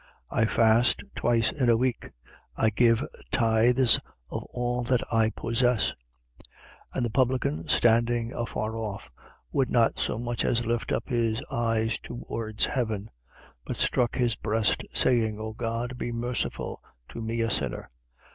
18:12. I fast twice in a week: I give tithes of all that I possess. 18:13. And the publican, standing afar off, would not so much as lift up his eyes towards heaven; but struck his breast, saying: O God, be merciful to me a sinner.